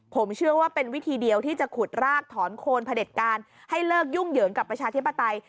ผมเชื่อว่าเป็นวิธีเดียวที่จะขุดรากถอนโคนพระเด็จการให้เลิกยุ่งเหยิงกับประชาธิปไตย